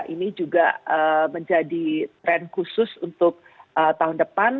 ini juga menjadi tren khusus untuk tahun depan